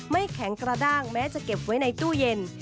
แข็งกระด้างแม้จะเก็บไว้ในตู้เย็น